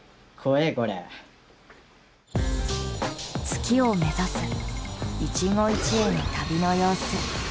月を目指す一期一会の旅の様子。